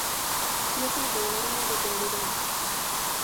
Piezas de enorme rotundidad.